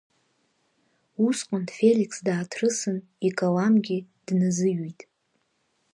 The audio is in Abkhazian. Усҟан Феликс дааҭрысын, икаламгьы дназыҩит.